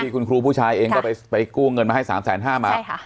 ที่คุณครูผู้ชายเองก็ไปไปกู้เงินมาให้สามแสนห้ามาใช่ค่ะ